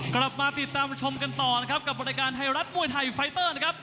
กลับมาติดตามชมกันต่อนะครับกับบริการไทยรัฐมวยไทยไฟเตอร์นะครับ